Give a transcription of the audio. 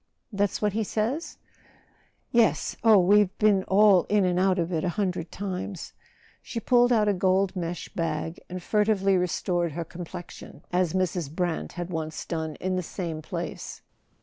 That's what he says ?" "Yes. Oh, we've been all in and out of it a hundred times.* She pulled out a gold mesh bag and furtively re¬ stored her complexion, as Mrs. Brant had once done in the same place.